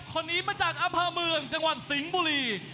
คนนี้มาจากอัภภาพเมืองจังหวัดศิงบุรี